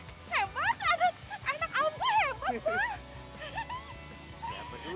hebat anak ambo hebat banget